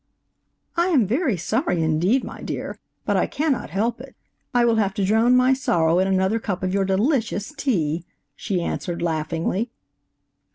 "I am very sorry indeed, my dear, but I cannot help it. I will have to drown my sorrow in another cup of your delicious tea," she answered, laughingly.